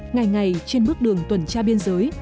ngày ngày trên bước đường tuần tra biên giới